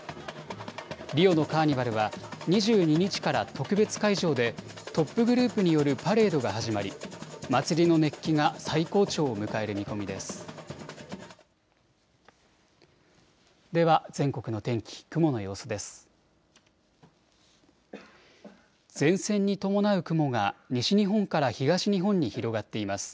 リオのカーニバルは２２日から特別会場でトップグループによるパレードが始まり、祭りの熱気が最高潮を迎える見込みです。